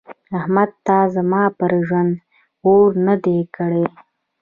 احمده تا زما پر ژرنده اوړه نه دې کړي.